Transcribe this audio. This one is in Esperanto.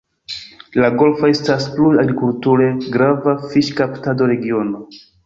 La golfo estas plue agrikulture grava fiŝkaptado-regiono.